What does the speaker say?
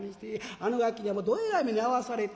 あのガキにはもうどえらい目に遭わされて」。